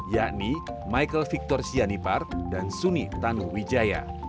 yakni michael victor sianipard dan suni tanu wijaya